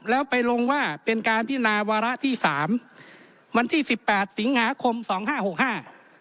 แล้วไปลงว่าเป็นการพินาวาระที่สามวันที่สิบแปดสิงหาคมสองห้าหกห้า